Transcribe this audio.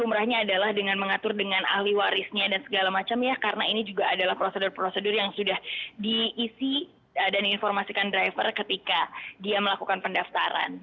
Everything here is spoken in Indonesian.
umrahnya adalah dengan mengatur dengan ahli warisnya dan segala macam ya karena ini juga adalah prosedur prosedur yang sudah diisi dan diinformasikan driver ketika dia melakukan pendaftaran